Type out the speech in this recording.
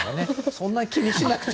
そんな気にしなくても。